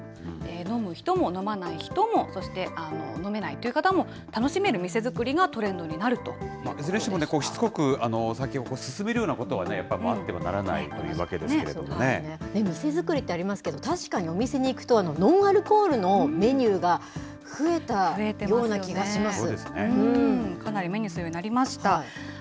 飲む人も飲まない人も、そして飲めないという方も、楽しめる店づくりがトレンドになるということいずれにしてもね、しつこくお酒を勧めるようなことはね、やっぱりあってはならないというわ店づくりってありますけど、確かに、お店に行くと、ノンアルコールのメニューが増えたようなかなり目にするようになりました。